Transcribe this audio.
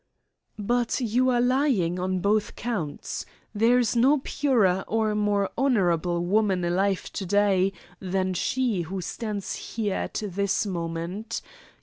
"But you are lying on both counts. There is no purer or more honourable woman alive to day than she who stands here at this moment.